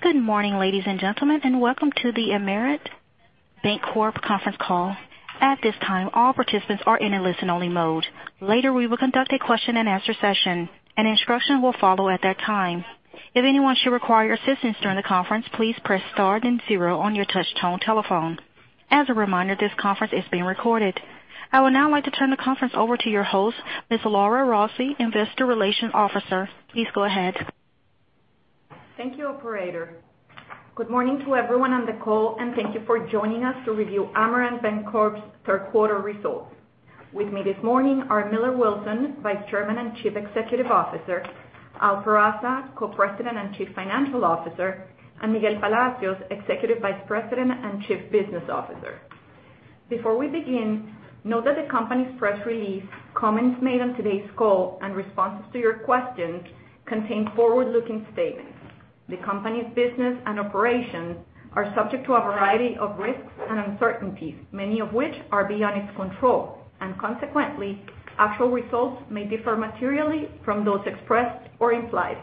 Good morning, ladies and gentlemen, and welcome to the Amerant Bancorp conference call. At this time, all participants are in a listen-only mode. Later, we will conduct a question and answer session. An instruction will follow at that time. If anyone should require assistance during the conference, please press star then zero on your touch-tone telephone. As a reminder, this conference is being recorded. I would now like to turn the conference over to your host, Ms. Laura Rossi, Investor Relations Officer. Please go ahead. Thank you, operator. Good morning to everyone on the call, and thank you for joining us to review Amerant Bancorp's third quarter results. With me this morning are Millar Wilson, Vice Chairman and Chief Executive Officer, Al Peraza, Co-President and Chief Financial Officer, and Miguel Palacios, Executive Vice President and Chief Business Officer. Before we begin, note that the company's press release, comments made on today's call, and responses to your questions contain forward-looking statements. The company's business and operations are subject to a variety of risks and uncertainties, many of which are beyond its control. Consequently, actual results may differ materially from those expressed or implied.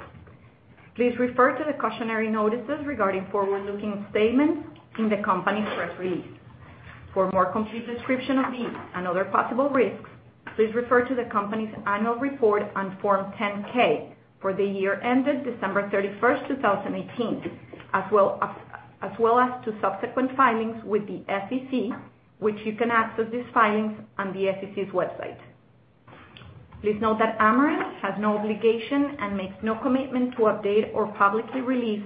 Please refer to the cautionary notices regarding forward-looking statements in the company's press release. For a more complete description of these and other possible risks, please refer to the company's annual report on Form 10-K for the year ended December 31st, 2018, as well as to subsequent filings with the SEC, which you can access these filings on the SEC's website. Please note that Amerant has no obligation and makes no commitment to update or publicly release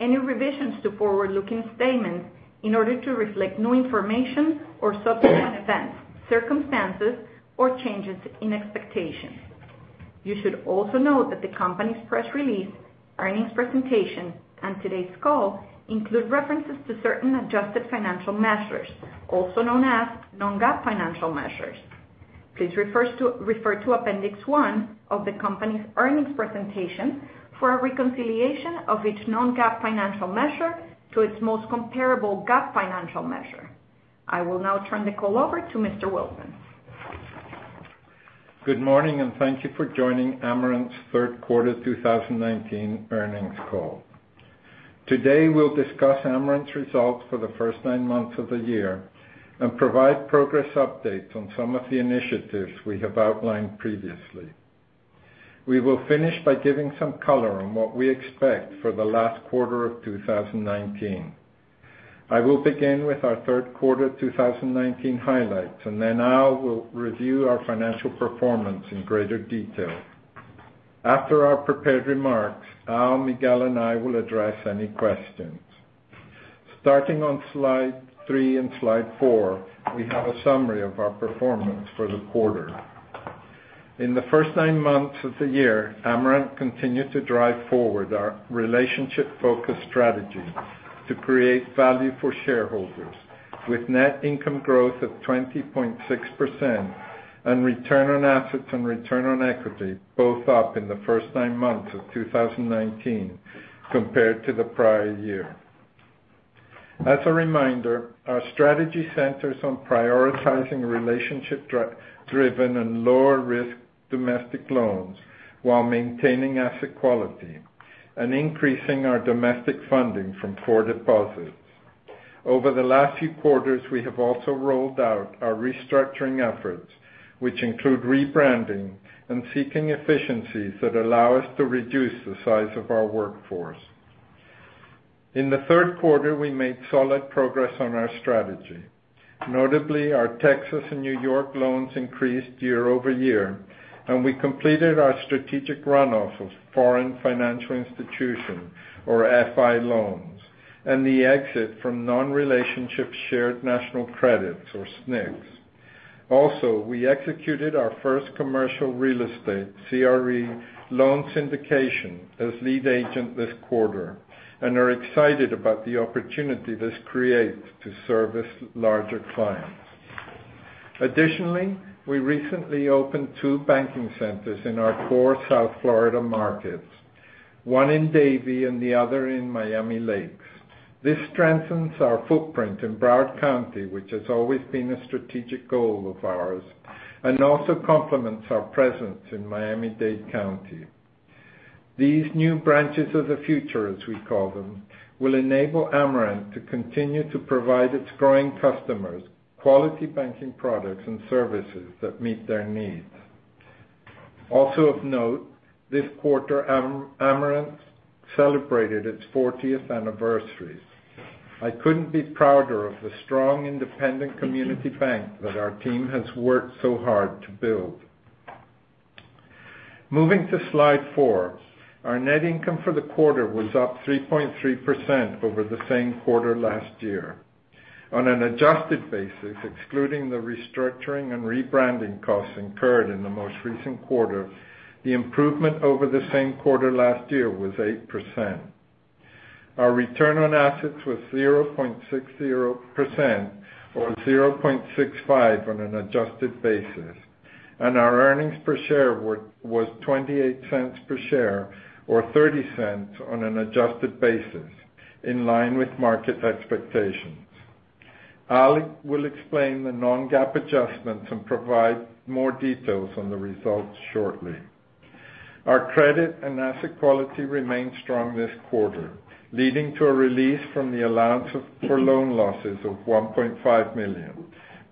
any revisions to forward-looking statements in order to reflect new information or subsequent events, circumstances, or changes in expectations. You should also note that the company's press release, earnings presentation, and today's call include references to certain adjusted financial measures, also known as non-GAAP financial measures. Please refer to Appendix one of the company's earnings presentation for a reconciliation of each non-GAAP financial measure to its most comparable GAAP financial measure. I will now turn the call over to Mr. Wilson. Good morning, and thank you for joining Amerant's third quarter 2019 earnings call. Today, we'll discuss Amerant's results for the first nine months of the year and provide progress updates on some of the initiatives we have outlined previously. We will finish by giving some color on what we expect for the last quarter of 2019. I will begin with our third quarter 2019 highlights, and then Al will review our financial performance in greater detail. After our prepared remarks, Al, Miguel, and I will address any questions. Starting on Slide three and Slide four, we have a summary of our performance for the quarter. In the first nine months of the year, Amerant continued to drive forward our relationship-focused strategy to create value for shareholders, with net income growth of 20.6% and return on assets and return on equity both up in the first nine months of 2019 compared to the prior year. As a reminder, our strategy centers on prioritizing relationship-driven and lower-risk domestic loans while maintaining asset quality and increasing our domestic funding from core deposits. Over the last few quarters, we have also rolled out our restructuring efforts, which include rebranding and seeking efficiencies that allow us to reduce the size of our workforce. In the third quarter, we made solid progress on our strategy. Notably, our Texas and New York loans increased year-over-year, and we completed our strategic runoff of foreign financial institutions, or FI loans, and the exit from non-relationship Shared National Credits or SNCs. Also, we executed our first commercial real estate, CRE, loan syndication as lead agent this quarter and are excited about the opportunity this creates to service larger clients. Additionally, we recently opened two banking centers in our core South Florida markets, one in Davie and the other in Miami Lakes. This strengthens our footprint in Broward County, which has always been a strategic goal of ours and also complements our presence in Miami-Dade County. These new branches of the future, as we call them, will enable Amerant to continue to provide its growing customers quality banking products and services that meet their needs. Also of note, this quarter, Amerant celebrated its 40th anniversary. I couldn't be prouder of the strong independent community bank that our team has worked so hard to build. Moving to Slide four. Our net income for the quarter was up 3.3% over the same quarter last year. On an adjusted basis, excluding the restructuring and rebranding costs incurred in the most recent quarter, the improvement over the same quarter last year was 8%. Our return on assets was 0.60% or 0.65% on an adjusted basis, and our earnings per share was $0.28 per share or $0.30 on an adjusted basis, in line with market expectations. Al will explain the non-GAAP adjustments and provide more details on the results shortly. Our credit and asset quality remained strong this quarter, leading to a release from the allowance for loan losses of $1.5 million,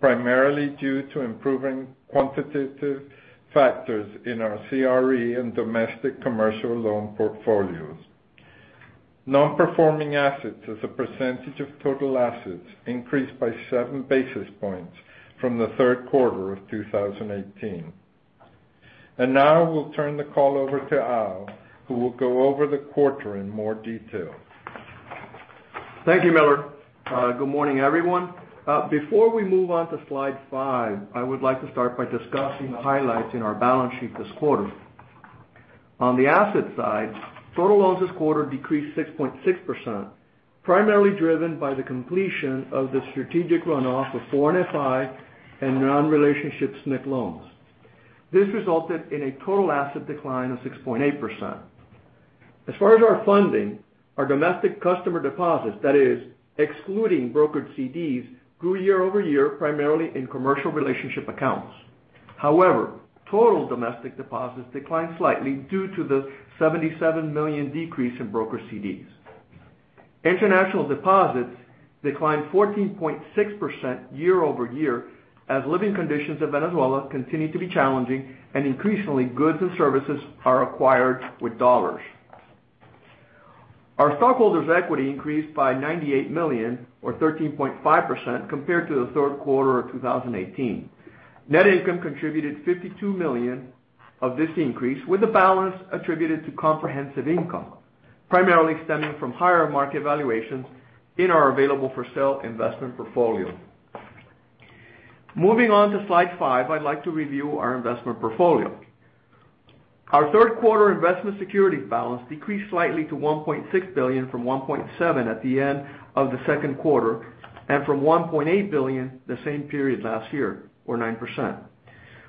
primarily due to improving quantitative factors in our CRE and domestic commercial loan portfolios. Non-performing assets as a percentage of total assets increased by seven basis points from the third quarter of 2018. Now I will turn the call over to Al, who will go over the quarter in more detail. Thank you, Millar. Good morning, everyone. Before we move on to slide five, I would like to start by discussing the highlights in our balance sheet this quarter. On the asset side, total loans this quarter decreased 6.6%, primarily driven by the completion of the strategic runoff of foreign FI and non-relationship SNC loans. This resulted in a total asset decline of 6.8%. As far as our funding, our domestic customer deposits, that is excluding brokered CDs, grew year-over-year, primarily in commercial relationship accounts. Total domestic deposits declined slightly due to the $77 million decrease in brokered CDs. International deposits declined 14.6% year-over-year, as living conditions in Venezuela continue to be challenging, and increasingly, goods and services are acquired with dollars. Our stockholders' equity increased by $98 million or 13.5% compared to the third quarter of 2018. Net income contributed $52 million of this increase, with the balance attributed to comprehensive income, primarily stemming from higher market valuations in our available-for-sale investment portfolio. Moving on to slide five, I'd like to review our investment portfolio. Our third quarter investment securities balance decreased slightly to $1.6 billion from $1.7 at the end of the second quarter, and from $1.8 billion the same period last year, or 9%.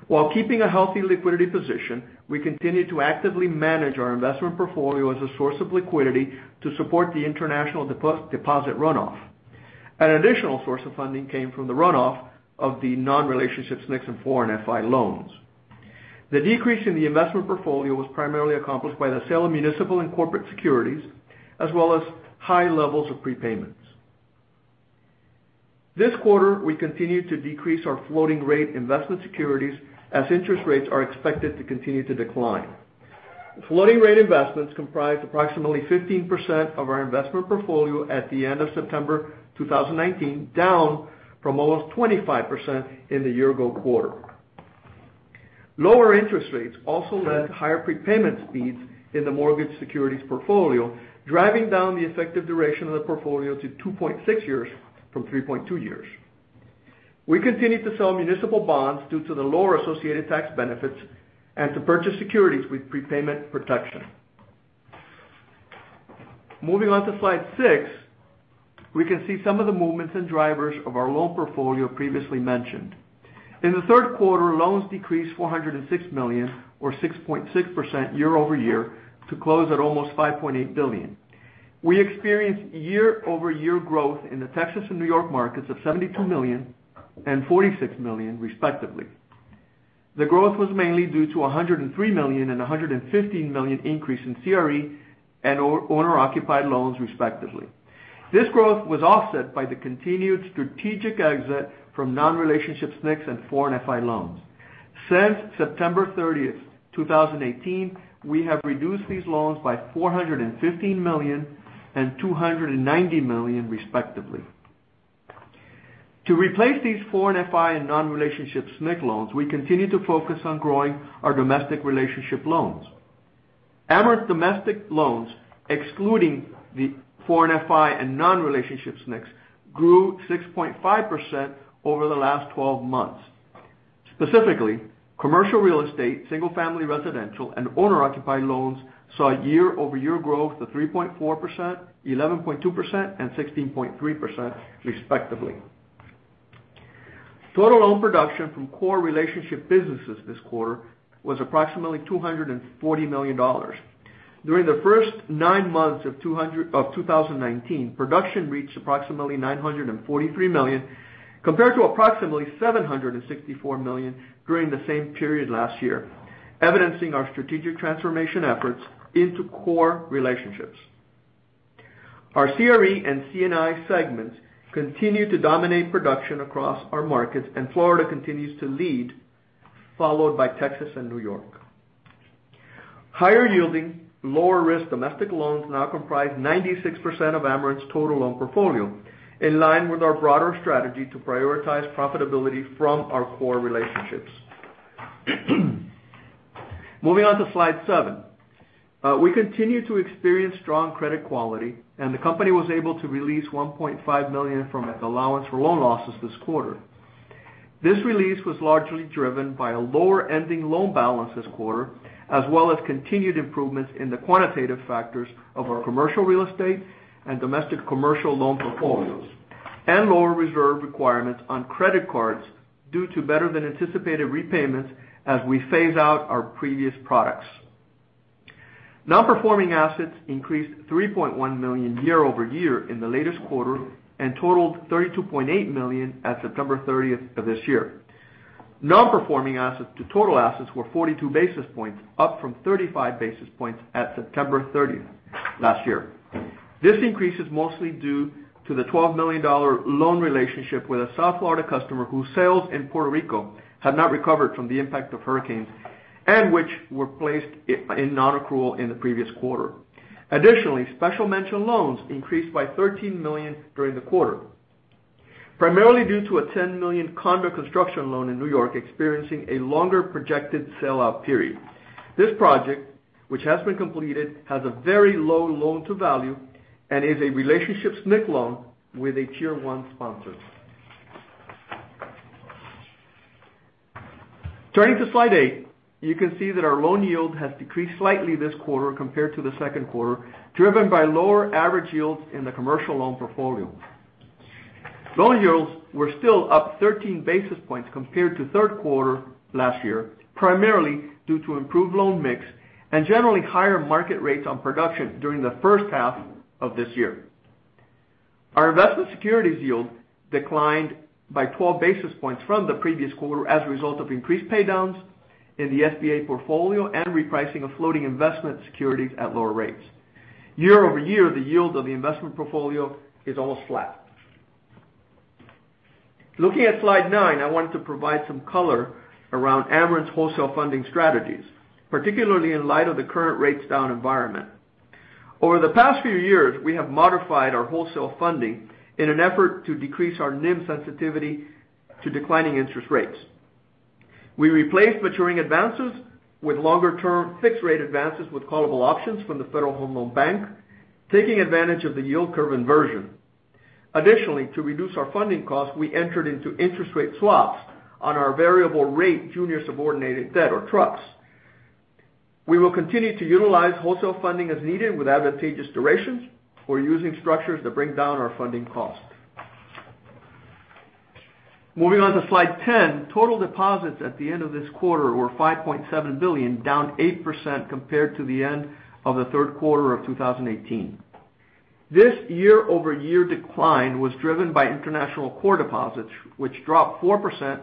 While keeping a healthy liquidity position, we continue to actively manage our investment portfolio as a source of liquidity to support the international deposit runoff. An additional source of funding came from the runoff of the non-relationship SNCs and foreign FI loans. The decrease in the investment portfolio was primarily accomplished by the sale of municipal and corporate securities, as well as high levels of prepayments. This quarter, we continued to decrease our floating rate investment securities as interest rates are expected to continue to decline. Floating rate investments comprised approximately 15% of our investment portfolio at the end of September 2019, down from almost 25% in the year-ago quarter. Lower interest rates also led to higher prepayment speeds in the mortgage securities portfolio, driving down the effective duration of the portfolio to 2.6 years from 3.2 years. We continued to sell municipal bonds due to the lower associated tax benefits and to purchase securities with prepayment protection. Moving on to slide six, we can see some of the movements and drivers of our loan portfolio previously mentioned. In the third quarter, loans decreased $406 million or 6.6% year-over-year to close at almost $5.8 billion. We experienced year-over-year growth in the Texas and New York markets of $72 million and $46 million, respectively. The growth was mainly due to $103 million and $115 million increase in CRE and owner-occupied loans, respectively. This growth was offset by the continued strategic exit from non-relationship SNCs and foreign FI loans. Since September 30th, 2018, we have reduced these loans by $415 million and $290 million, respectively. To replace these foreign FI and non-relationship SNC loans, we continue to focus on growing our domestic relationship loans. Amerant domestic loans, excluding the foreign FI and non-relationship SNCs, grew 6.5% over the last 12 months. Specifically, commercial real estate, single-family residential, and owner-occupied loans saw year-over-year growth to 3.4%, 11.2%, and 16.3%, respectively. Total loan production from core relationship businesses this quarter was approximately $240 million. During the first nine months of 2019, production reached approximately $943 million compared to approximately $764 million during the same period last year, evidencing our strategic transformation efforts into core relationships. Our CRE and C&I segments continue to dominate production across our markets, Florida continues to lead, followed by Texas and New York. Higher-yielding, lower-risk domestic loans now comprise 96% of Amerant's total loan portfolio, in line with our broader strategy to prioritize profitability from our core relationships. Moving on to slide seven. We continue to experience strong credit quality, and the company was able to release $1.5 million from its allowance for loan losses this quarter. This release was largely driven by a lower ending loan balance this quarter, as well as continued improvements in the quantitative factors of our commercial real estate and domestic commercial loan portfolios, and lower reserve requirements on credit cards due to better-than-anticipated repayments as we phase out our previous products. Non-performing assets increased $3.1 million year-over-year in the latest quarter and totaled $32.8 million at September 30th of this year. Non-performing assets to total assets were 42 basis points, up from 35 basis points at September 30th last year. This increase is mostly due to the $12 million loan relationship with a South Florida customer whose sales in Puerto Rico have not recovered from the impact of hurricanes and which were placed in non-accrual in the previous quarter. Additionally, special mention loans increased by $13 million during the quarter. Primarily due to a $10 million condo construction loan in New York experiencing a longer projected sellout period. This project, which has been completed, has a very low loan-to-value and is a relationship SNC loan with a Tier 1 sponsor. Turning to slide eight, you can see that our loan yield has decreased slightly this quarter compared to the second quarter, driven by lower average yields in the commercial loan portfolio. Loan yields were still up 13 basis points compared to third quarter last year, primarily due to improved loan mix and generally higher market rates on production during the first half of this year. Our investment securities yield declined by 12 basis points from the previous quarter as a result of increased paydowns in the SBA portfolio and repricing of floating investment securities at lower rates. Year-over-year, the yield of the investment portfolio is all flat. Looking at slide nine, I want to provide some color around Amerant's wholesale funding strategies, particularly in light of the current rates down environment. Over the past few years, we have modified our wholesale funding in an effort to decrease our NIM sensitivity to declining interest rates. We replaced maturing advances with longer-term fixed rate advances with callable options from the Federal Home Loan Bank, taking advantage of the yield curve inversion. Additionally, to reduce our funding cost, we entered into interest rate swaps on our variable rate junior subordinated debt or TRUPs. We will continue to utilize wholesale funding as needed with advantageous durations. We're using structures that bring down our funding cost. Moving on to slide 10, total deposits at the end of this quarter were $5.7 billion, down 8% compared to the end of the third quarter of 2018. This year-over-year decline was driven by international core deposits, which dropped 4%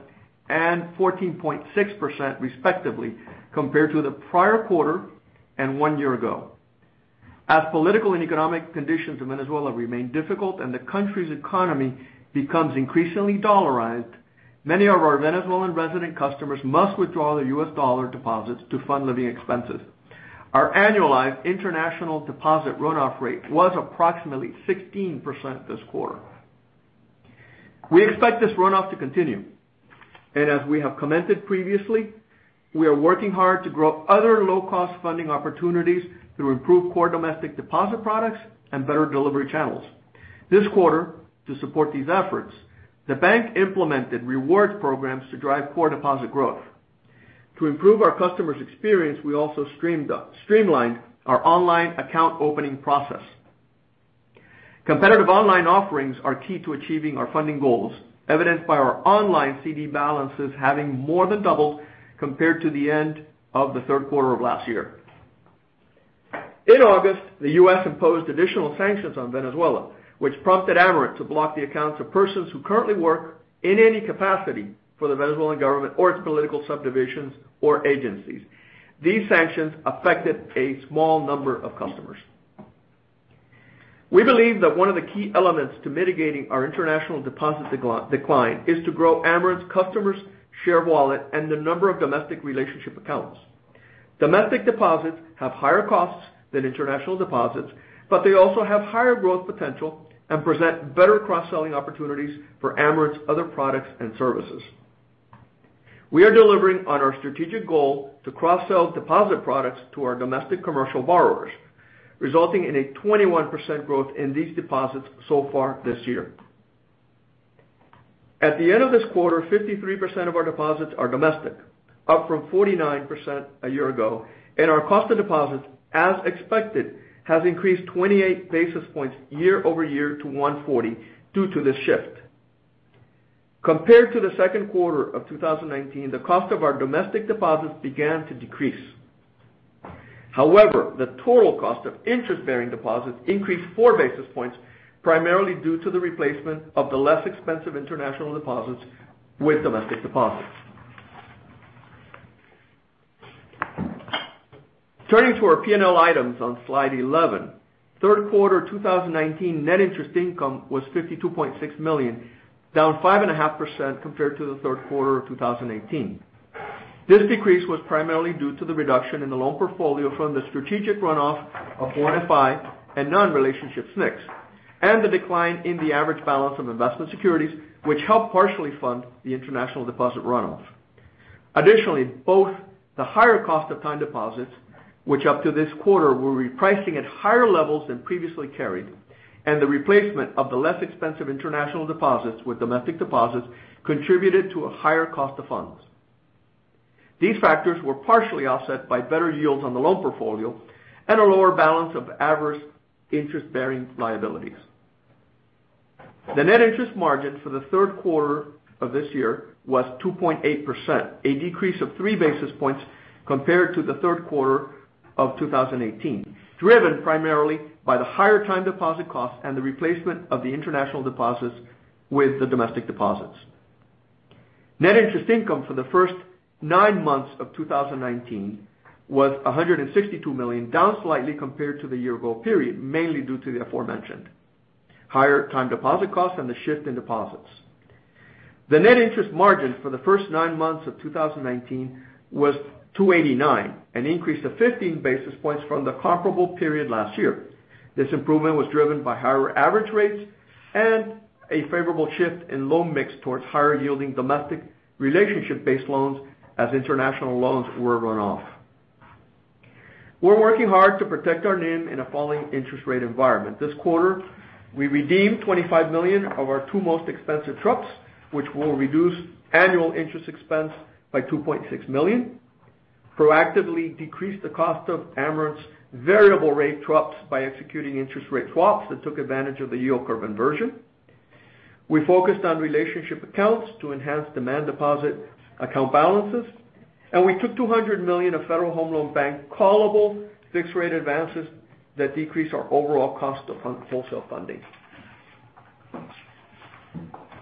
and 14.6% respectively, compared to the prior quarter and one year ago. As political and economic conditions in Venezuela remain difficult and the country's economy becomes increasingly dollarized, many of our Venezuelan resident customers must withdraw their U.S. dollar deposits to fund living expenses. Our annualized international deposit runoff rate was approximately 16% this quarter. We expect this runoff to continue. As we have commented previously, we are working hard to grow other low-cost funding opportunities through improved core domestic deposit products and better delivery channels. This quarter, to support these efforts, the bank implemented rewards programs to drive core deposit growth. To improve our customer's experience, we also streamlined our online account opening process. Competitive online offerings are key to achieving our funding goals, evidenced by our online CD balances having more than doubled compared to the end of the third quarter of last year. In August, the U.S. imposed additional sanctions on Venezuela, which prompted Amerant to block the accounts of persons who currently work in any capacity for the Venezuelan government or its political subdivisions or agencies. These sanctions affected a small number of customers. We believe that one of the key elements to mitigating our international deposit decline is to grow Amerant's customers' share of wallet and the number of domestic relationship accounts. Domestic deposits have higher costs than international deposits, but they also have higher growth potential and present better cross-selling opportunities for Amerant's other products and services. We are delivering on our strategic goal to cross-sell deposit products to our domestic commercial borrowers, resulting in a 21% growth in these deposits so far this year. At the end of this quarter, 53% of our deposits are domestic, up from 49% a year ago, and our cost of deposits, as expected, has increased 28 basis points year-over-year to 140 due to this shift. Compared to the second quarter of 2019, the cost of our domestic deposits began to decrease. The total cost of interest-bearing deposits increased four basis points, primarily due to the replacement of the less expensive international deposits with domestic deposits. Turning to our P&L items on slide 11. Third quarter 2019 net interest income was $52.6 million, down 5.5% compared to the third quarter of 2018. This decrease was primarily due to the reduction in the loan portfolio from the strategic runoff of foreign FI and non-relationship SNCs, and the decline in the average balance of investment securities, which helped partially fund the international deposit runoff. Additionally, both the higher cost of time deposits, which up to this quarter we're repricing at higher levels than previously carried, and the replacement of the less expensive international deposits with domestic deposits contributed to a higher cost of funds. These factors were partially offset by better yields on the loan portfolio and a lower balance of average interest-bearing liabilities. The net interest margin for the third quarter of this year was 2.8%, a decrease of 3 basis points compared to the third quarter of 2018, driven primarily by the higher time deposit costs and the replacement of the international deposits with the domestic deposits. Net interest income for the first nine months of 2019 was $162 million, down slightly compared to the year ago period, mainly due to the aforementioned higher time deposit costs and the shift in deposits. The net interest margin for the first nine months of 2019 was 2.89%, an increase of 15 basis points from the comparable period last year. This improvement was driven by higher average rates and a favorable shift in loan mix towards higher yielding domestic relationship based loans as international loans were run off. We're working hard to protect our NIM in a falling interest rate environment. This quarter, we redeemed $25 million of our two most expensive TRUPs, which will reduce annual interest expense by $2.6 million, proactively decreased the cost of Amerant's variable rate TRUPs by executing interest rate swaps that took advantage of the yield curve inversion. We focused on relationship accounts to enhance demand deposit account balances, and we took $200 million of Federal Home Loan Bank callable fixed rate advances that decrease our overall cost of wholesale funding.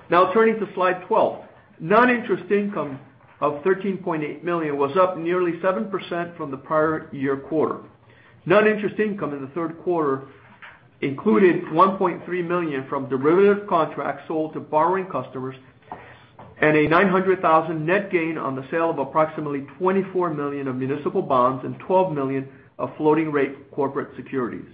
Now turning to slide 12. Non-interest income of $13.8 million was up nearly 7% from the prior year quarter. Non-interest income in the third quarter included $1.3 million from derivative contracts sold to borrowing customers and a $900,000 net gain on the sale of approximately $24 million of municipal bonds and $12 million of floating rate corporate securities.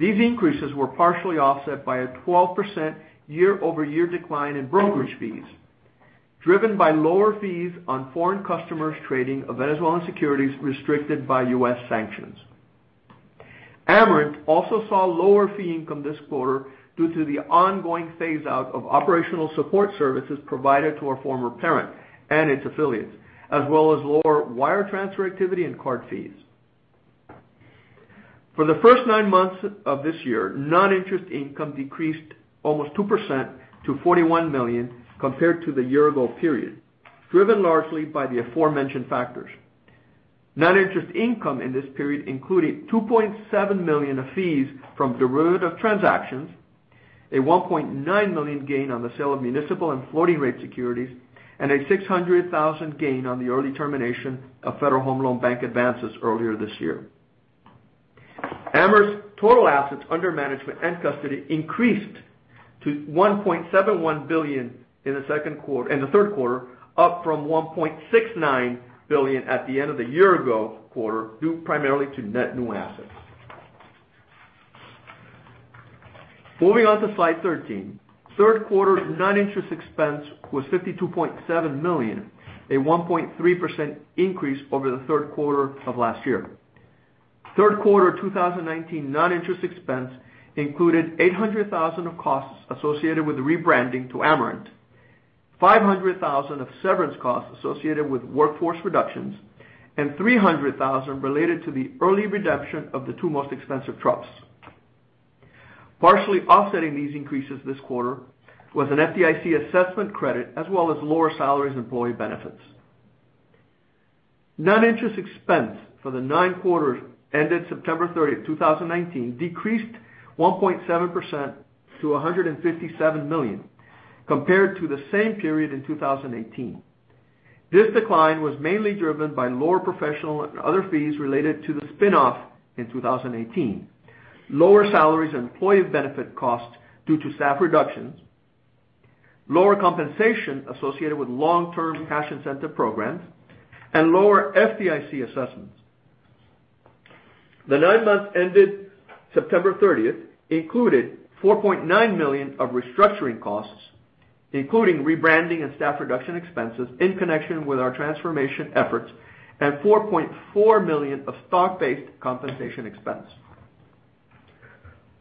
These increases were partially offset by a 12% year-over-year decline in brokerage fees, driven by lower fees on foreign customers trading of Venezuelan securities restricted by U.S. sanctions. Amerant also saw lower fee income this quarter due to the ongoing phaseout of operational support services provided to our former parent and its affiliates, as well as lower wire transfer activity and card fees. For the first nine months of this year, non-interest income decreased almost 2% to $41 million compared to the year ago period, driven largely by the aforementioned factors. Non-interest income in this period included $2.7 million of fees from derivative transactions, a $1.9 million gain on the sale of municipal and floating rate securities, and a $600,000 gain on the early termination of Federal Home Loan Bank advances earlier this year. Amerant's total assets under management and custody increased to $1.71 billion in the third quarter, up from $1.69 billion at the end of the year ago quarter, due primarily to net new assets. Moving on to slide 13. Third quarter non-interest expense was $52.7 million, a 1.3% increase over the third quarter of last year. Third quarter 2019 non-interest expense included $800,000 of costs associated with rebranding to Amerant, $500,000 of severance costs associated with workforce reductions, and $300,000 related to the early redemption of the two most expensive TRUPs. Partially offsetting these increases this quarter was an FDIC assessment credit as well as lower salaries employee benefits. Non-interest expense for the nine quarters ended September 30, 2019, decreased 1.7% to $157 million compared to the same period in 2018. This decline was mainly driven by lower professional and other fees related to the spinoff in 2018. Lower salaries and employee benefit costs due to staff reductions, lower compensation associated with long-term cash incentive programs, and lower FDIC assessments. The nine months ended September 30 included $4.9 million of restructuring costs, including rebranding and staff reduction expenses in connection with our transformation efforts, and $4.4 million of stock-based compensation expense.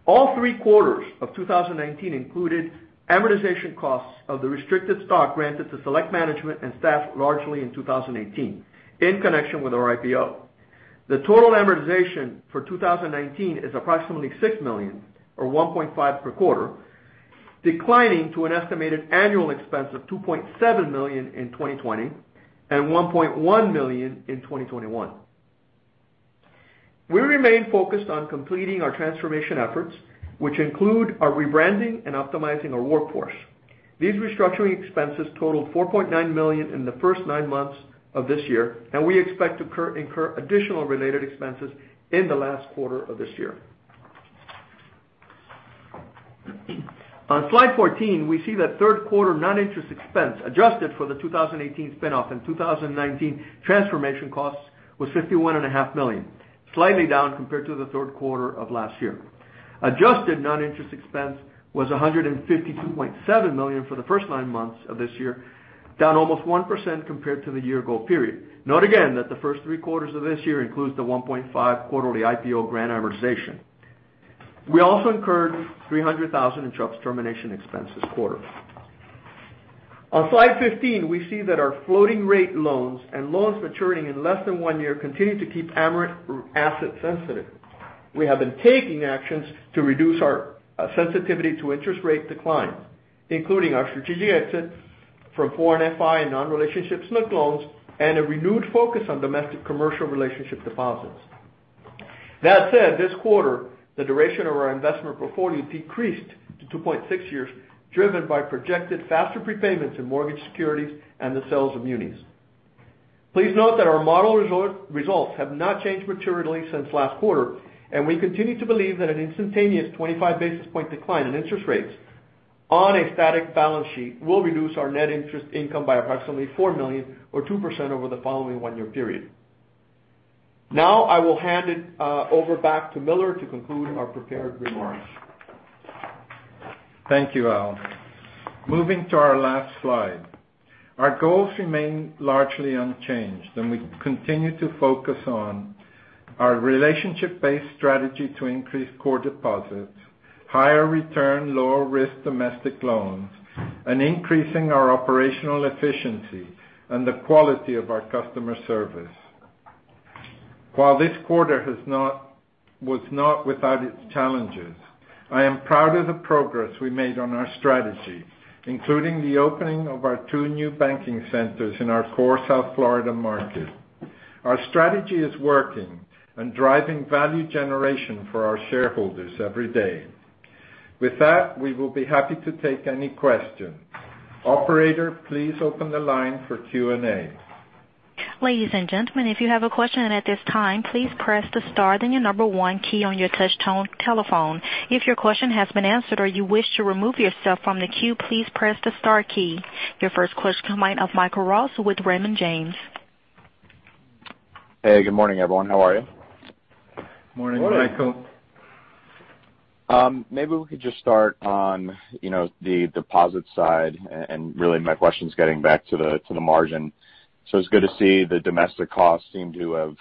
All three quarters of 2019 included amortization costs of the restricted stock granted to select management and staff largely in 2018 in connection with our IPO. The total amortization for 2019 is approximately $6 million or $1.5 per quarter, declining to an estimated annual expense of $2.7 million in 2020 and $1.1 million in 2021. We remain focused on completing our transformation efforts, which include our rebranding and optimizing our workforce. These restructuring expenses totaled $4.9 million in the first nine months of this year, and we expect to incur additional related expenses in the last quarter of this year. On slide 14, we see that third quarter non-interest expense adjusted for the 2018 spinoff and 2019 transformation costs was $51.5 million, slightly down compared to the third quarter of last year. Adjusted non-interest expense was $152.7 million for the first nine months of this year, down almost 1% compared to the year ago period. Note again that the first three quarters of this year includes the $1.5 quarterly IPO grant amortization. We also incurred $300,000 in TRUPs termination expense this quarter. On slide 15, we see that our floating rate loans and loans maturing in less than one year continue to keep Amerant asset sensitive. We have been taking actions to reduce our sensitivity to interest rate decline, including our strategic exit from foreign FI and non-relationship SNCs loans and a renewed focus on domestic commercial relationship deposits. That said, this quarter, the duration of our investment portfolio decreased to 2.6 years, driven by projected faster prepayments in mortgage securities and the sales of munis. Please note that our model results have not changed materially since last quarter, and we continue to believe that an instantaneous 25 basis point decline in interest rates on a static balance sheet will reduce our net interest income by approximately $4 million or 2% over the following one-year period. Now I will hand it over back to Millar to conclude our prepared remarks. Thank you, Al. Moving to our last slide. Our goals remain largely unchanged, and we continue to focus on our relationship-based strategy to increase core deposits, higher return, lower risk domestic loans, and increasing our operational efficiency and the quality of our customer service. While this quarter was not without its challenges, I am proud of the progress we made on our strategy, including the opening of our two new banking centers in our core South Florida market. Our strategy is working and driving value generation for our shareholders every day. With that, we will be happy to take any questions. Operator, please open the line for Q&A. Ladies and gentlemen, if you have a question at this time, please press the star, then your number one key on your touch-tone telephone. If your question has been answered or you wish to remove yourself from the queue, please press the star key. Your first question comes of Michael Rose with Raymond James. Hey, good morning, everyone. How are you? Morning, Michael. Morning. Maybe we could just start on the deposit side. Really my question is getting back to the margin. It's good to see the domestic costs seem to have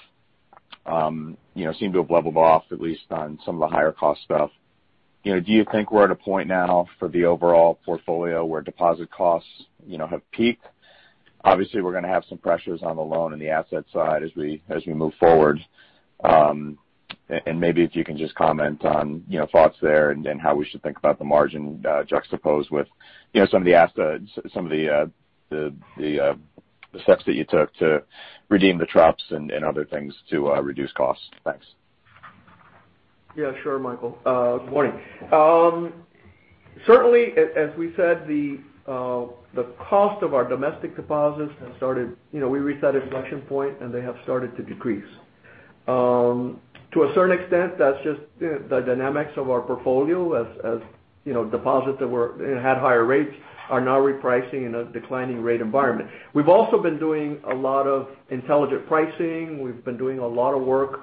leveled off, at least on some of the higher cost stuff. Do you think we're at a point now for the overall portfolio where deposit costs have peaked? Obviously, we're going to have some pressures on the loan and the asset side as we move forward. Maybe if you can just comment on thoughts there and how we should think about the margin juxtaposed with some of the steps that you took to redeem the TRUPs and other things to reduce costs. Thanks. Yeah, sure, Michael. Good morning. As we said, we reached that inflection point, they have started to decrease. To a certain extent, that's just the dynamics of our portfolio as deposits that had higher rates are now repricing in a declining rate environment. We've also been doing a lot of intelligent pricing. We've been doing a lot of work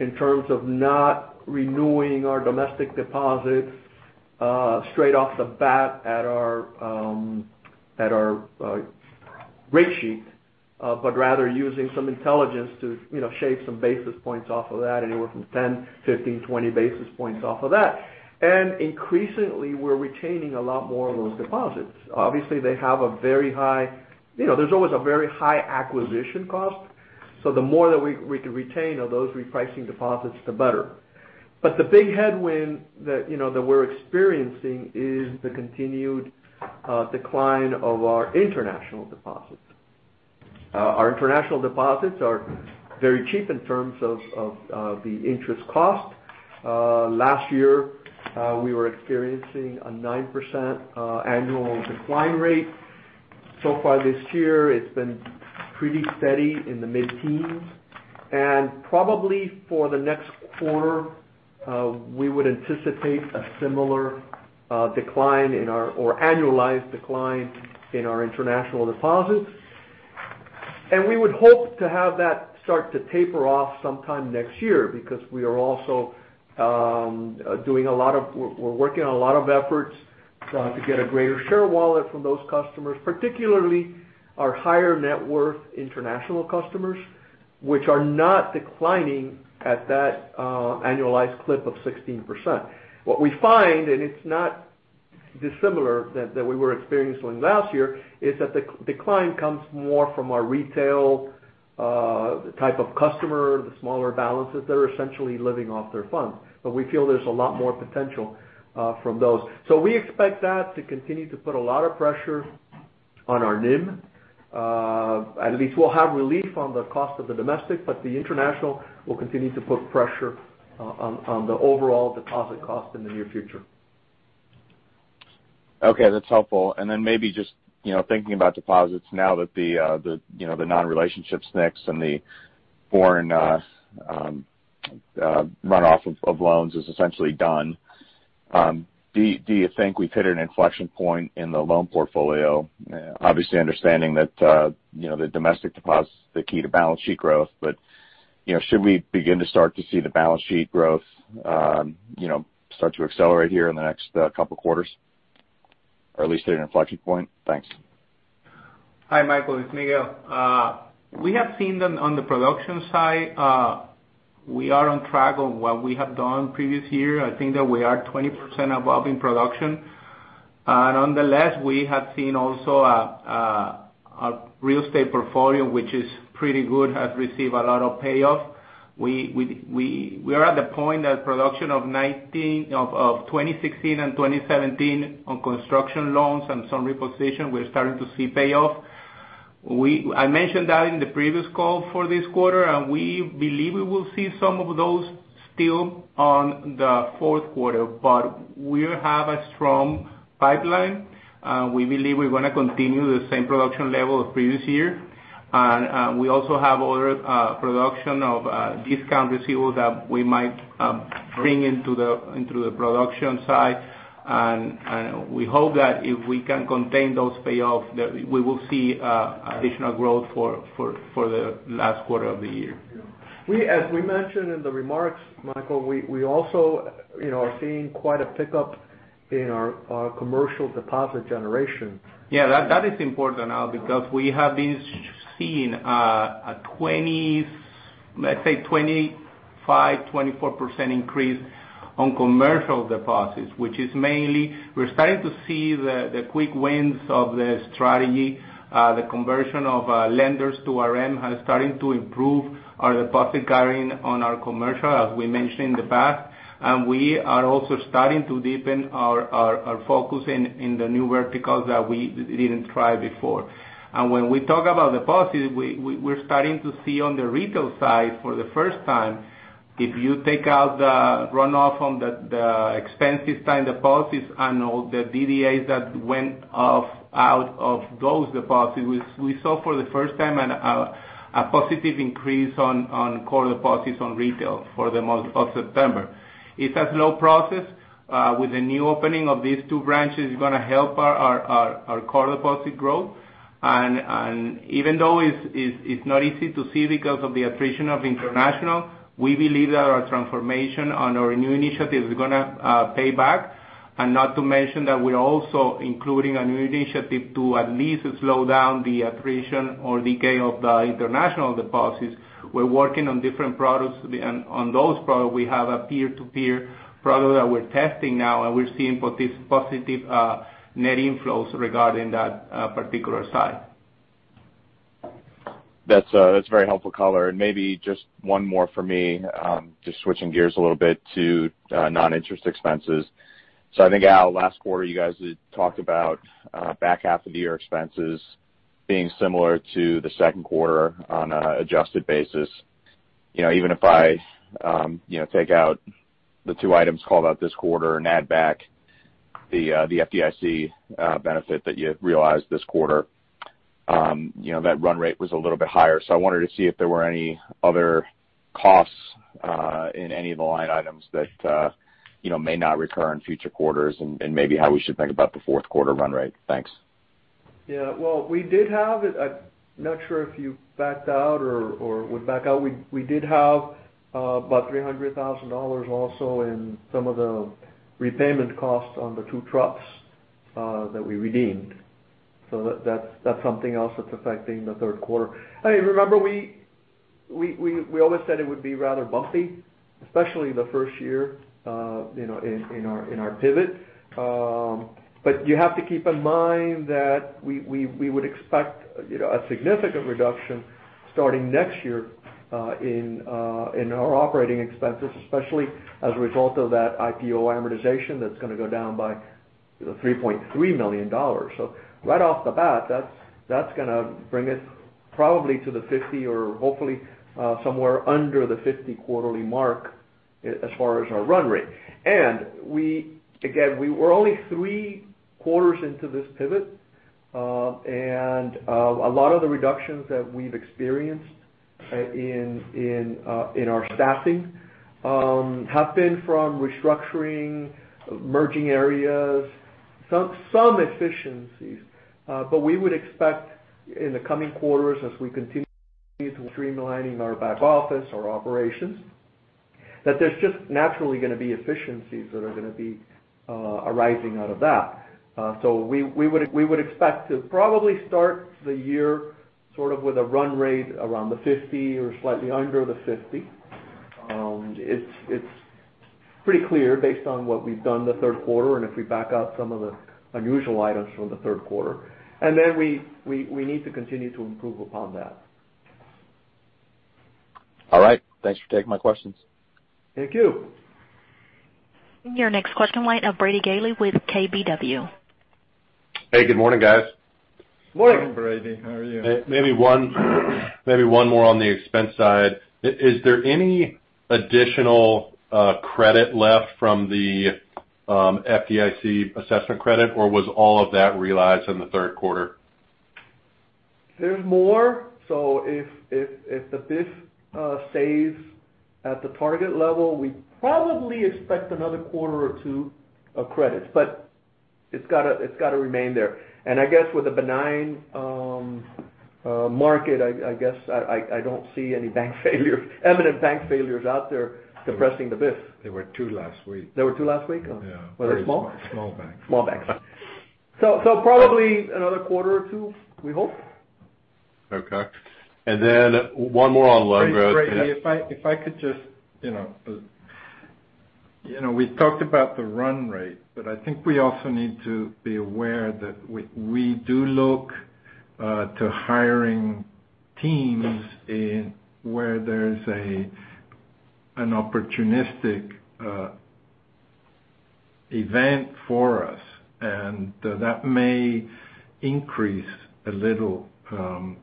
in terms of not renewing our domestic deposits straight off the bat at our rate sheet, but rather using some intelligence to shave some basis points off of that, anywhere from 10, 15, 20 basis points off of that. Increasingly, we're retaining a lot more of those deposits. Obviously there's always a very high acquisition cost. The more that we can retain of those repricing deposits, the better. The big headwind that we're experiencing is the continued decline of our international deposits. Our international deposits are very cheap in terms of the interest cost. Last year we were experiencing a 9% annual decline rate. So far this year, it's been pretty steady in the mid-teens. Probably for the next quarter, we would anticipate a similar decline in our annualized decline in our international deposits. We would hope to have that start to taper off sometime next year because we're working on a lot of efforts to get a greater share wallet from those customers, particularly our higher net worth international customers, which are not declining at that annualized clip of 16%. What we find, it's not dissimilar that we were experiencing last year, is that the decline comes more from our retail type of customer, the smaller balances that are essentially living off their funds. We feel there's a lot more potential from those. We expect that to continue to put a lot of pressure on our NIM. At least we'll have relief on the cost of the domestic, the international will continue to put pressure on the overall deposit cost in the near future. Okay, that's helpful. Then maybe just thinking about deposits now that the non-relationship SNCs and the foreign runoff of loans is essentially done. Do you think we've hit an inflection point in the loan portfolio? Obviously understanding that the domestic deposit is the key to balance sheet growth. Should we begin to start to see the balance sheet growth start to accelerate here in the next couple of quarters? Or at least hit an inflection point? Thanks. Hi, Michael, it's Miguel. We have seen them on the production side. We are on track on what we have done previous year. I think that we are 20% above in production. Nonetheless, we have seen also our real estate portfolio, which is pretty good, has received a lot of payoff. We are at the point that production of 2016 and 2017 on construction loans and some repossession, we're starting to see payoff. I mentioned that in the previous call for this quarter. We believe we will see some of those still on the fourth quarter. We have a strong pipeline. We believe we're going to continue the same production level of previous year. We also have other production of discount receivables that we might bring into the production side. We hope that if we can contain those payoffs, that we will see additional growth for the last quarter of the year. As we mentioned in the remarks, Michael, we also are seeing quite a pickup in our commercial deposit generation. Yeah, that is important now because we have been seeing let's say 25%, 24% increase on commercial deposits, which is mainly, we're starting to see the quick wins of the strategy. The conversion of lenders to RM has started to improve our deposit carrying on our commercial, as we mentioned in the past. We are also starting to deepen our focus in the new verticals that we didn't try before. When we talk about deposits, we're starting to see on the retail side for the first time, if you take out the runoff on the expensive side deposits and all the DDAs that went off out of those deposits, we saw for the first time a positive increase on core deposits on retail for the month of September. It's a slow process. With the new opening of these two branches is going to help our core deposit growth. Even though it's not easy to see because of the attrition of international, we believe that our transformation on our new initiative is going to pay back. Not to mention that we're also including a new initiative to at least slow down the attrition or decay of the international deposits. We're working on different products. On those products, we have a peer-to-peer product that we're testing now, and we're seeing positive net inflows regarding that particular side. That's very helpful color. Maybe just one more for me, just switching gears a little bit to non-interest expenses. I think, Al, last quarter, you guys had talked about back half of the year expenses being similar to the second quarter on an adjusted basis. Even if I take out the two items called out this quarter and add back the FDIC benefit that you realized this quarter, that run rate was a little bit higher. I wanted to see if there were any other costs in any of the line items that may not recur in future quarters, and maybe how we should think about the fourth quarter run rate. Thanks. Well, we did have it. I'm not sure if you backed out or would back out. We did have about $300,000 also in some of the repayment costs on the two trusts that we redeemed. That's something else that's affecting the third quarter. Remember, we always said it would be rather bumpy, especially the first year in our pivot. You have to keep in mind that we would expect a significant reduction starting next year in our operating expenses, especially as a result of that IPO amortization that's going to go down by $3.3 million. Right off the bat, that's going to bring it probably to the 50 or hopefully somewhere under the 50 quarterly mark as far as our run rate. Again, we're only three quarters into this pivot. A lot of the reductions that we've experienced in our staffing have been from restructuring, merging areas, some efficiencies. We would expect in the coming quarters, as we continue to streamline our back office, our operations, that there's just naturally going to be efficiencies that are going to be arising out of that. We would expect to probably start the year sort of with a run rate around the 50 or slightly under the 50. It's pretty clear based on what we've done the third quarter and if we back out some of the unusual items from the third quarter. We need to continue to improve upon that. All right. Thanks for taking my questions. Thank you. Your next question in line of Brady Gailey with KBW. Hey, good morning, guys. Morning. Morning, Brady. How are you? Maybe one more on the expense side. Is there any additional credit left from the FDIC assessment credit, or was all of that realized in the third quarter? There's more. If the DIF stays at the target level, we probably expect another quarter or two of credits. It's got to remain there. I guess with a benign market, I guess I don't see any imminent bank failures out there depressing the DIF. There were two last week. There were two last week? Yeah. Were they small? Small banks. Small banks. Probably another quarter or two, we hope. Okay. One more on loan growth. Brady, We talked about the run rate, but I think we also need to be aware that we do look to hiring teams where there's an opportunistic event for us, and that may increase a little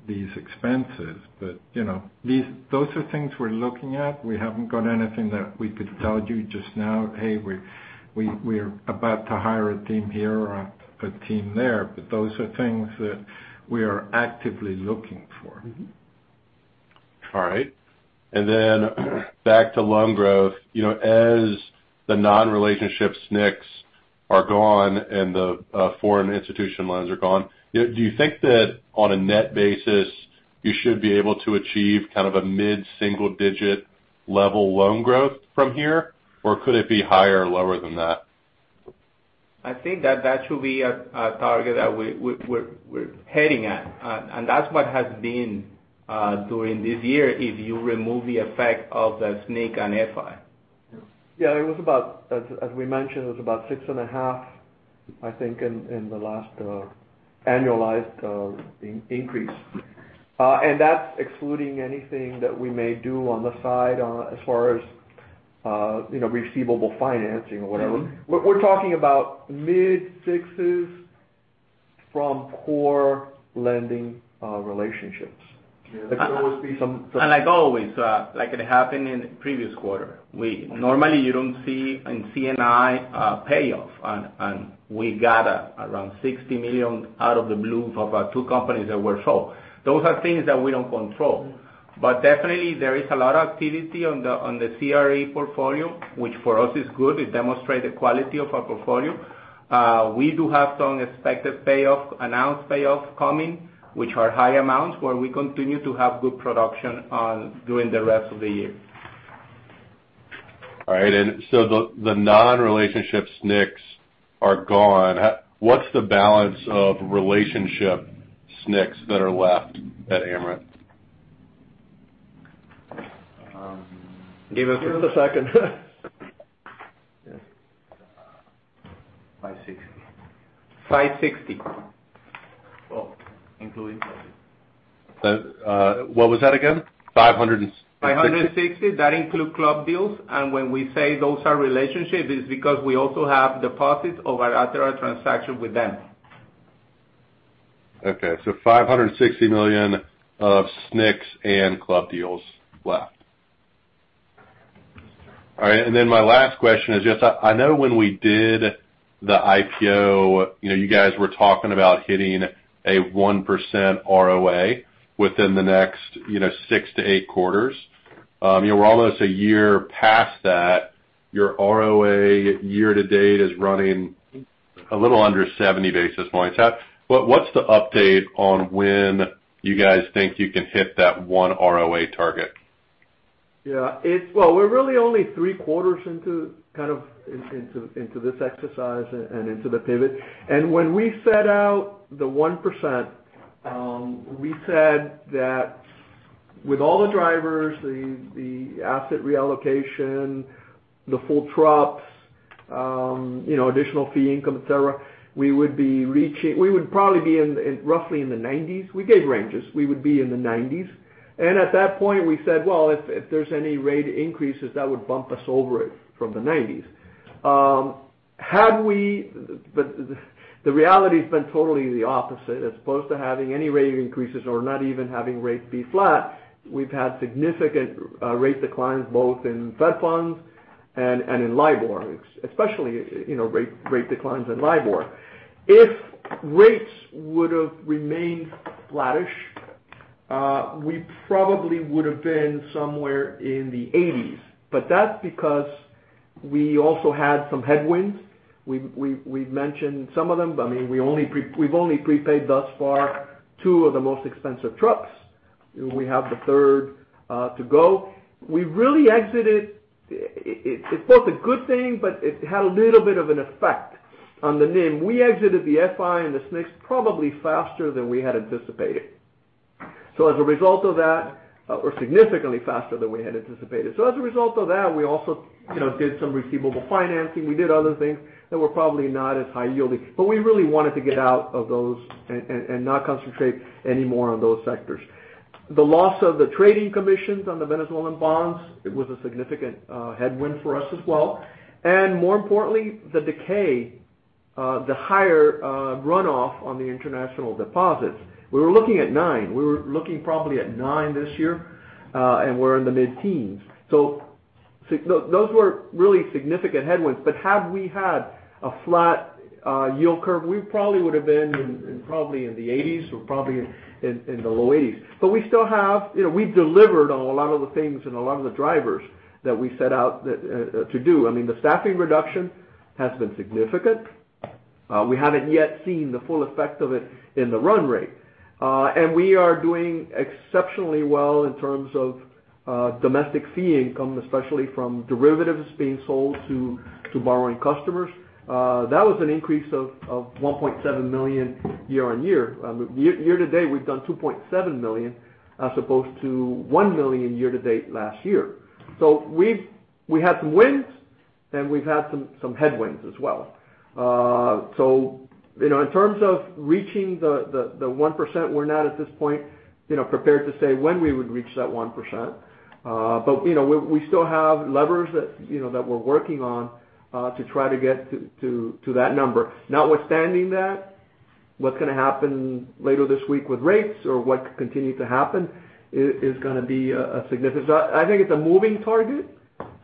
these expenses. Those are things we're looking at. We haven't got anything that we could tell you just now, "Hey, we're about to hire a team here or a team there." Those are things that we are actively looking for. All right. Back to loan growth. As the non-relationship SNCs are gone and the foreign institution loans are gone, do you think that on a net basis you should be able to achieve kind of a mid-single digit level loan growth from here? Or could it be higher or lower than that? I think that should be a target that we're heading at. That's what has been during this year, if you remove the effect of the SNC and FI. Yeah. As we mentioned, it was about six and a half, I think, in the last annualized increase. That's excluding anything that we may do on the side as far as receivable financing or whatever. We're talking about mid sixes from core lending relationships. Yeah. Like always, like it happened in the previous quarter, normally you don't see in C&I a payoff. We got around $60 million out of the blue for about two companies that were sold. Those are things that we don't control. Definitely there is a lot of activity on the CRE portfolio, which for us is good. It demonstrate the quality of our portfolio. We do have some expected payoff, announced payoff coming, which are high amounts, where we continue to have good production during the rest of the year. All right. The non-relationship SNCs are gone. What's the balance of relationship SNCs that are left at Amerant? Give us a second. 560. 560. Well, including club deals. What was that again? 560. That include club deals. When we say those are relationships, it is because we also have deposits of our other transaction with them. Okay. $560 million of SNCs and club deals left. All right. My last question is just, I know when we did the IPO, you guys were talking about hitting a 1% ROA within the next six to eight quarters. We're almost a year past that. Your ROA year to date is running a little under 70 basis points. What's the update on when you guys think you can hit that one ROA target? Yeah. Well, we're really only 3 quarters into this exercise and into the pivot. When we set out the 1%, we said that with all the drivers, the asset reallocation, the full trucks, additional fee income, et cetera, we would probably be roughly in the 90s. We gave ranges. We would be in the 90s. At that point we said, "Well, if there's any rate increases, that would bump us over it from the 90s." The reality's been totally the opposite. As opposed to having any rate increases or not even having rates be flat, we've had significant rate declines both in Fed funds and in LIBOR. Especially rate declines in LIBOR. If rates would've remained flattish, we probably would've been somewhere in the 80s. That's because we also had some headwinds. We've mentioned some of them. We've only prepaid thus far two of the most expensive TRUPs. We have the third to go. It's both a good thing, but it had a little bit of an effect on the NIM. We exited the FI and the SNCs probably faster than we had anticipated. Significantly faster than we had anticipated. As a result of that, we also did some receivable financing. We did other things that were probably not as high yielding. We really wanted to get out of those and not concentrate any more on those sectors. The loss of the trading commissions on the Venezuelan bonds, it was a significant headwind for us as well. More importantly, the decay, the higher runoff on the international deposits. We were looking at nine. We were looking probably at nine this year. We're in the mid-teens. Those were really significant headwinds. Had we had a flat yield curve, we probably would've been probably in the 80s or probably in the low 80s. We've delivered on a lot of the things and a lot of the drivers that we set out to do. The staffing reduction has been significant. We haven't yet seen the full effect of it in the run rate. We are doing exceptionally well in terms of domestic fee income, especially from derivatives being sold to borrowing customers. That was an increase of $1.7 million year-on-year. Year-to-date, we've done $2.7 million as opposed to $1 million year-to-date last year. We've had some wins, and we've had some headwinds as well. In terms of reaching the 1%, we're not at this point prepared to say when we would reach that 1%. We still have levers that we're working on to try to get to that number. Notwithstanding that, what's going to happen later this week with rates or what could continue to happen is going to be significant. I think it's a moving target.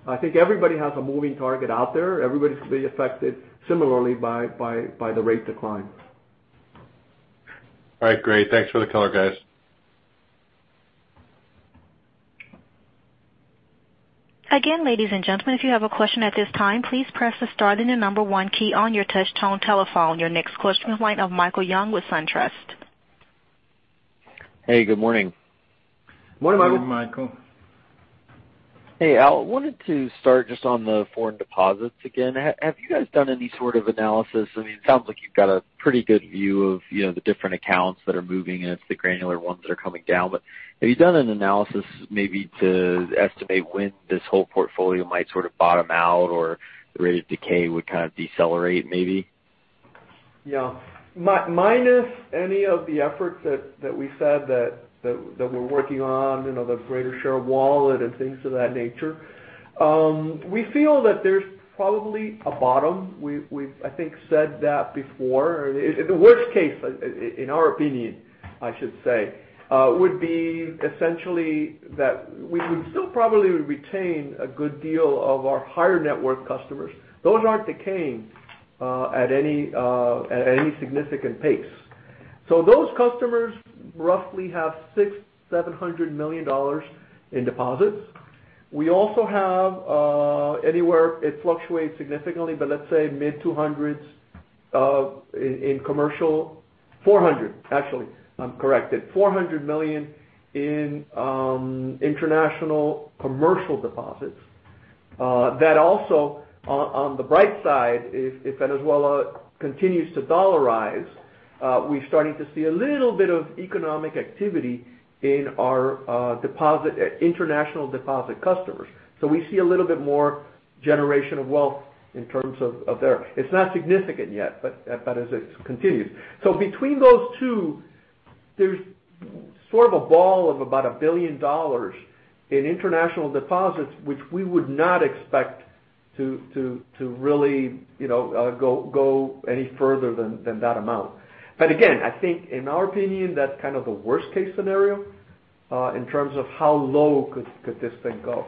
I think everybody has a moving target out there. Everybody's going to be affected similarly by the rate decline. All right, great. Thanks for the color, guys. Again, ladies and gentlemen, if you have a question at this time, please press the star then the number one key on your touch tone telephone. Your next question in line of Michael Young with SunTrust. Hey, good morning. Morning, Michael. Morning, Michael. Hey, Al, wanted to start just on the foreign deposits again. Have you guys done any sort of analysis? I mean, it sounds like you've got a pretty good view of the different accounts that are moving and it's the granular ones that are coming down. Have you done an analysis maybe to estimate when this whole portfolio might sort of bottom out or the rate of decay would kind of decelerate maybe? Yeah. Minus any of the efforts that we said that we're working on, the greater share of wallet and things of that nature. We feel that there's probably a bottom. We've, I think, said that before. The worst case, in our opinion, I should say, would be essentially that we would still probably retain a good deal of our higher net worth customers. Those aren't decaying at any significant pace. Those customers roughly have $600 million, $700 million in deposits. We also have anywhere, it fluctuates significantly, but let's say mid-200s in commercial. $400, actually. I'm corrected. $400 million in international commercial deposits. That also, on the bright side, if Venezuela continues to dollarize, we're starting to see a little bit of economic activity in our international deposit customers. We see a little bit more generation of wealth in terms of. It's not significant yet, but as it continues. Between those two, there's sort of a ball of about $1 billion in international deposits, which we would not expect to really go any further than that amount. Again, I think in our opinion, that's kind of the worst case scenario in terms of how low could this thing go.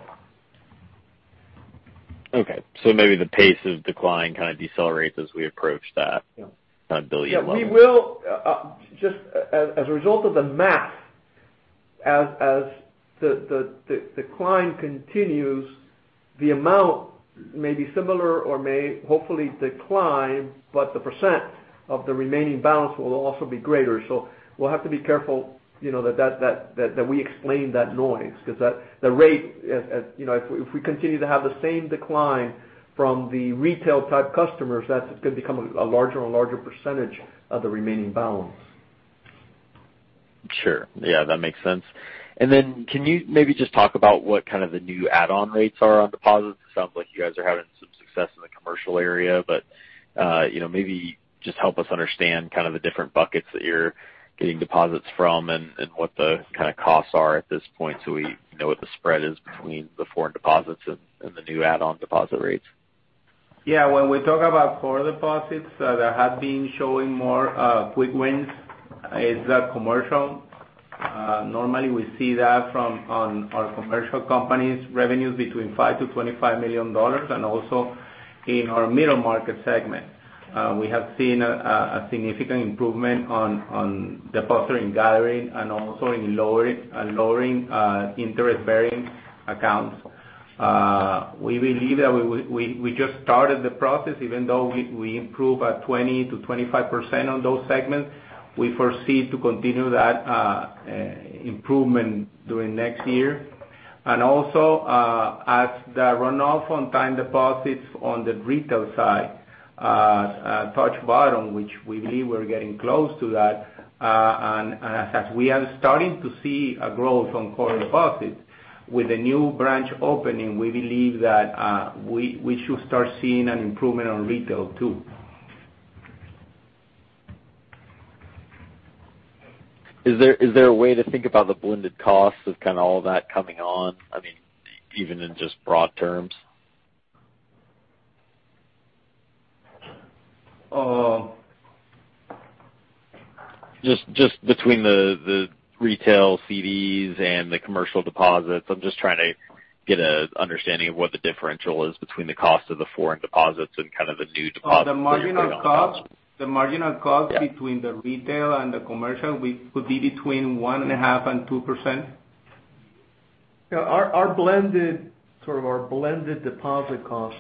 Okay. Maybe the pace of decline kind of decelerates as we approach that $1 billion level. Yeah. As a result of the math, as the decline continues, the amount may be similar or may hopefully decline, but the percent of the remaining balance will also be greater. We'll have to be careful that we explain that noise because the rate, if we continue to have the same decline from the retail type customers, that's going to become a larger and larger percentage of the remaining balance. Sure. Yeah, that makes sense. Can you maybe just talk about what kind of the new add-on rates are on deposits? It sounds like you guys are having some success in the commercial area, but maybe just help us understand kind of the different buckets that you're getting deposits from and what the kind of costs are at this point so we know what the spread is between the foreign deposits and the new add-on deposit rates. Yeah. When we talk about core deposits that have been showing more quick wins is that commercial. Normally we see that from our commercial companies revenues between $5 million-$25 million and also in our middle market segment. We have seen a significant improvement on deposit and gathering and also in lowering interest bearing accounts. We believe that we just started the process even though we improve at 20%-25% on those segments. We foresee to continue that improvement during next year. As the runoff on time deposits on the retail side touch bottom, which we believe we're getting close to that. As such, we are starting to see a growth on core deposits. With the new branch opening, we believe that we should start seeing an improvement on retail too. Is there a way to think about the blended cost of kind of all that coming on? I mean, even in just broad terms, just between the retail CDs and the commercial deposits. I'm just trying to get an understanding of what the differential is between the cost of the foreign deposits and kind of the new deposit that you're putting on top. The marginal cost between the retail and the commercial would be between 1.5% and 2%. Yeah. Our blended deposit cost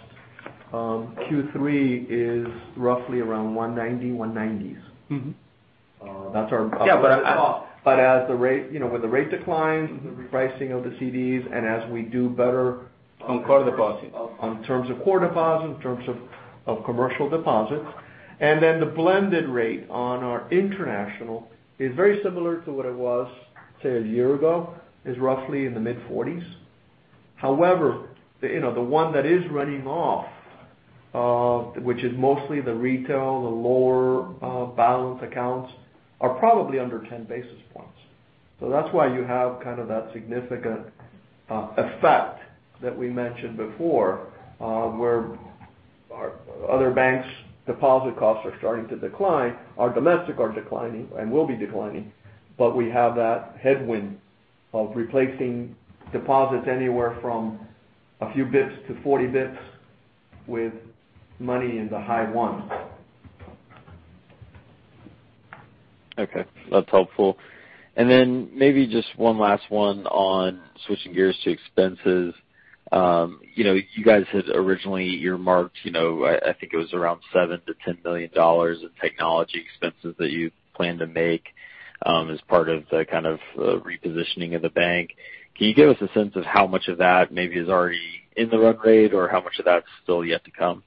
Q3 is roughly around 190, 190s. That's our- Yeah. As the rate declines, the repricing of the CDs, and as we do better. On core deposits on terms of core deposits, in terms of commercial deposits. The blended rate on our international is very similar to what it was, say, a year ago. It's roughly in the mid-40s. However, the one that is running off, which is mostly the retail, the lower balance accounts, are probably under 10 basis points. That's why you have that significant effect that we mentioned before, where other banks' deposit costs are starting to decline. Our domestic are declining and will be declining. We have that headwind of replacing deposits anywhere from a few basis points to 40 basis points with money in the high ones. Okay. That's helpful. Then maybe just one last one on switching gears to expenses. You guys had originally earmarked, I think it was around $7 million-$10 million in technology expenses that you planned to make as part of the kind of repositioning of the bank. Can you give us a sense of how much of that maybe is already in the run rate or how much of that's still yet to come?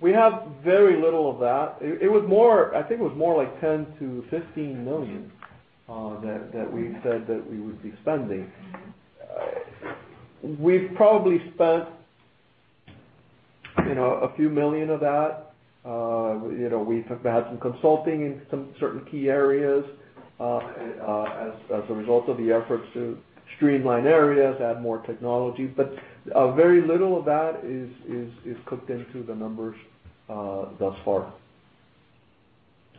We have very little of that. I think it was more like $10 million-$15 million that we said that we would be spending. We've probably spent a few million of that. We've had some consulting in some certain key areas as a result of the efforts to streamline areas, add more technology. Very little of that is cooked into the numbers thus far.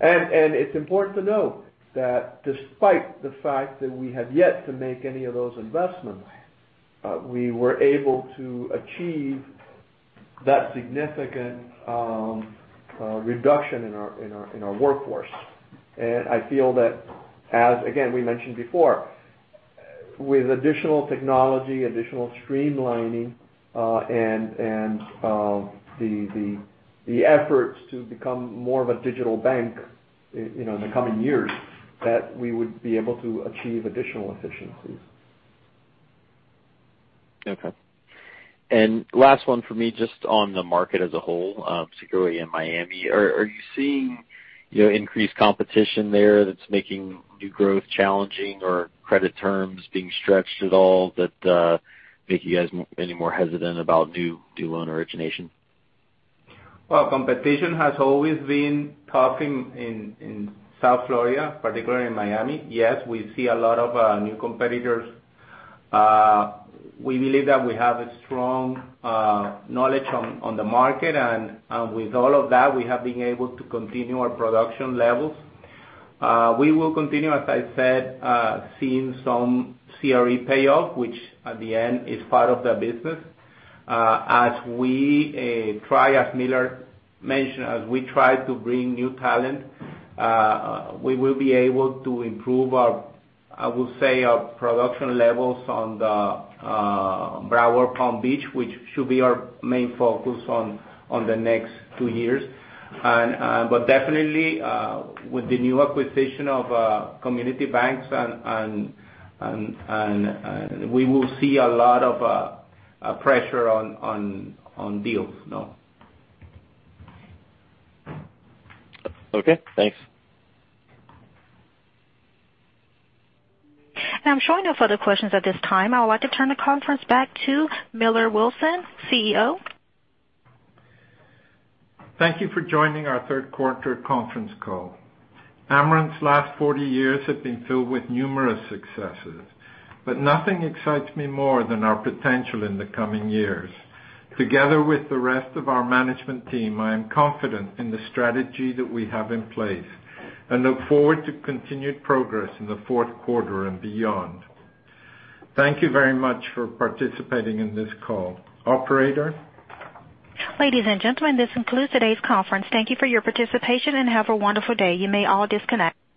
It's important to note that despite the fact that we have yet to make any of those investments, we were able to achieve that significant reduction in our workforce. I feel that, as again, we mentioned before, with additional technology, additional streamlining, and the efforts to become more of a digital bank in the coming years, that we would be able to achieve additional efficiencies. Okay. Last one for me, just on the market as a whole, particularly in Miami, are you seeing increased competition there that's making new growth challenging or credit terms being stretched at all that make you guys any more hesitant about new loan origination? Competition has always been tough in South Florida, particularly in Miami. Yes, we see a lot of new competitors. We believe that we have a strong knowledge on the market and with all of that, we have been able to continue our production levels. We will continue, as I said, seeing some CRE payoff, which at the end is part of the business. As Millar mentioned, as we try to bring new talent, we will be able to improve our, I would say, our production levels on the Broward Palm Beach, which should be our main focus on the next two years. Definitely, with the new acquisition of community banks, we will see a lot of pressure on deals. No. Okay, thanks. I'm showing no further questions at this time. I would like to turn the conference back to Millar Wilson, CEO. Thank you for joining our third quarter conference call. Amerant's last 40 years have been filled with numerous successes. Nothing excites me more than our potential in the coming years. Together with the rest of our management team, I am confident in the strategy that we have in place and look forward to continued progress in the fourth quarter and beyond. Thank you very much for participating in this call. Operator? Ladies and gentlemen, this concludes today's conference. Thank you for your participation and have a wonderful day. You may all disconnect.